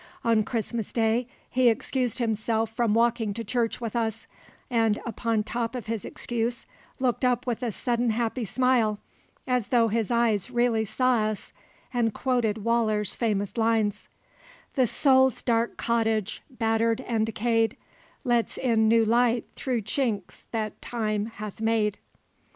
On Christmas Day he excused himself from walking to church with us, and upon top of his excuse looked up with a sudden happy smile as though his eyes really saw us and quoted Waller's famous lines: "The soul's dark cottage, battered and decay'd, Lets in new light through chinks that time hath made.